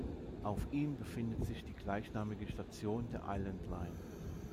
Auf ihm befindet sich die gleichnamige Station der Island Line.